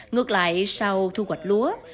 ngược lại sau thu hoạch lúa